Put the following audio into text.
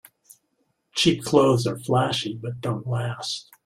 Cheap clothes are flashy but don't last.